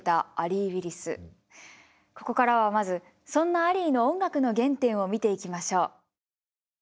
ここからはまずそんなアリーの音楽の原点を見ていきましょう。